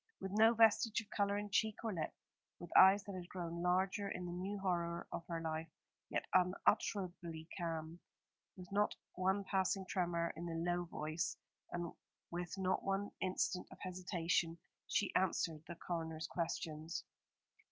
With no vestige of colour in cheek or lip, with eyes that had grown larger in the new horror of her life, yet unutterably calm, with not one passing tremor in the low voice, and with not one instant of hesitation, she answered the coroner's questions.